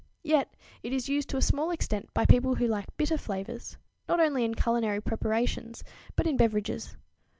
Yet it is used to a small extent by people who like bitter flavors, not only in culinary preparations, but in beverages.